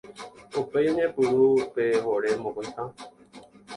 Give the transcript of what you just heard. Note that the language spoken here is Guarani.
Upéi oñepyrũ pe vore mokõiha.